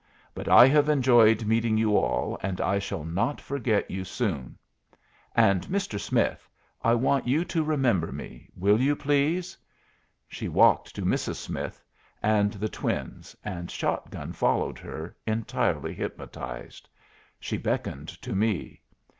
But I have enjoyed meeting you all, and I shall not forget you soon. And, Mr. Smith, I want you to remember me. Will you, please?" She walked to Mrs. Smith and the twins, and Shot gun followed her, entirely hypnotized. She beckoned to me.